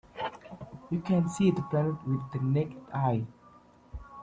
You can't see the planet with the naked eye.